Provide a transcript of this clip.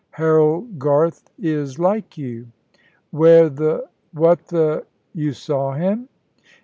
"Harold Garth is like you." "Where the what the you saw him?"